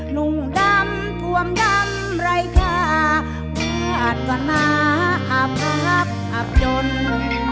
หนุ่งดำท่วมดำไร้ค่าวาดก่อนมาอาบรักอาบยนต์